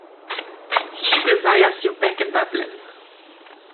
He desires you back in Dublin.